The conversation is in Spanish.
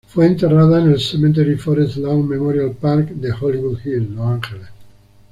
Fue enterrada en el Cementerio Forest Lawn Memorial Park de Hollywood Hills, Los Ángeles.